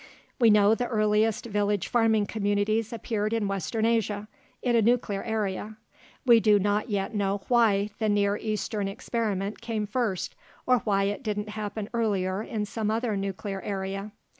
We know the earliest village farming communities appeared in western Asia, in a nuclear area. We do not yet know why the Near Eastern experiment came first, or why it didn't happen earlier in some other nuclear area.